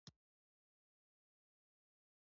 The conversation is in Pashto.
د جغرافیوي فرضیې بله نوې نسخه وړاندې شوه.